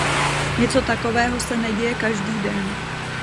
Něco takového se neděje každý den.